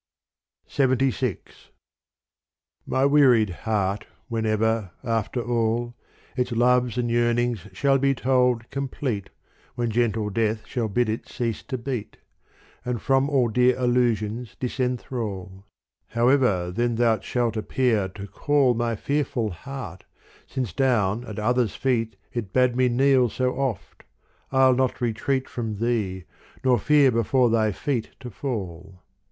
LXXVI My wearied heart, whenever, after all, Its loves and yearnings shall be told complete, When gentle death shall bid it cease to beat. And from all dear illusions disenthrall : However then thou shalt appear to call My fearful heart, since down at others' feet It bade me kneel so oft, I'll not retreat From thee nor fear before thy feet to fall.